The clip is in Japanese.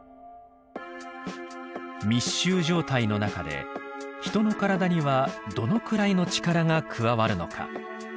密集状態の中で人の体にはどのくらいの力が加わるのか。